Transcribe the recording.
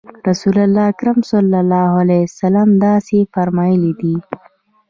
رسول اکرم صلی الله علیه وسلم داسې فرمایلي دي.